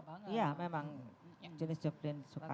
ya memang janis joplin sukanya juga